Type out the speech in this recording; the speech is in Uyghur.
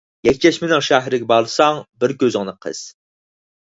يەكچەشمىنىڭ شەھىرىگە بارساڭ بىر كۆزۈڭنى قىس.